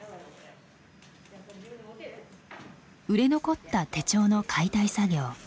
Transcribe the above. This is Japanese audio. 売れ残った手帳の解体作業。